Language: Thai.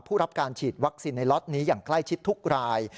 ผู้รับการฉีดวัคซีนในล็อตนี้อย่างใกล้ชิดทุกราย